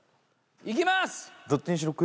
いきます！